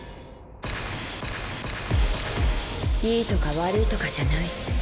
いいとか悪いとかじゃない。